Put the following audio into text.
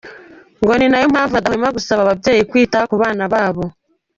Ngo ni na yo mpamvu badahwema gusaba ababyeyi kwita ku bana babo.